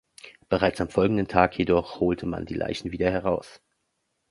Bereits am folgenden Tag jedoch holte man die Leichen wieder heraus.